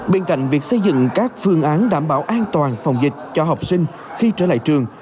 bên cạnh việc xây dựng các phương án đảm bảo an toàn phòng dịch cho học sinh khi trở lại trường